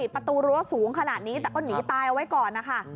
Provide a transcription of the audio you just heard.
ประตูรั้วสูงขนาดนี้แต่ก็หนีตายเอาไว้ก่อนนะคะ